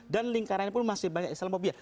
dan lingkarannya pun masih banyak islamphobia